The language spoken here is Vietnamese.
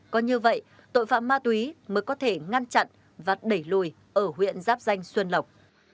có như vậy tội phạm ma túy mới có thể ngăn chặn và đẩy lùi ở huyện giáp danh xuân lộc